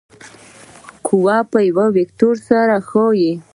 قوه په یو وکتور سره ښیو.